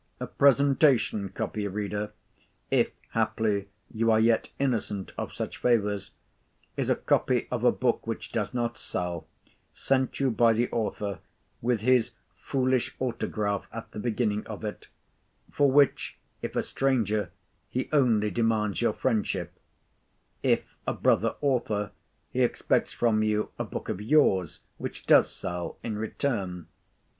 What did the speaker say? A presentation copy, reader—if haply you are yet innocent of such favours—is a copy of a book which does not sell, sent you by the author, with his foolish autograph at the beginning of it; for which, if a stranger, he only demands your friendship; if a brother author, he expects from you a book of yours which does sell, in return.